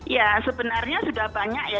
ya sebenarnya sudah banyak ya